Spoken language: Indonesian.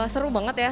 seru banget ya